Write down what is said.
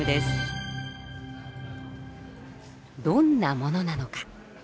どんなものなのか？